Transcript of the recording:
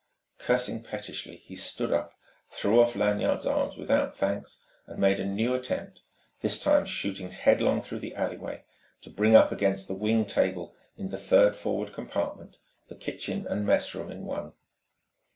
Cursing pettishly, he stood up, threw off Lanyard's arms without thanks, and made a new attempt, this time shooting headlong through the alleyway, to bring up against the wing table in the third forward compartment, the kitchen and messroom in one.